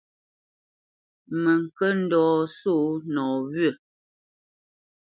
Mə ŋkə̄ ndɔ̌ sɔ̌ nɔwyə̂.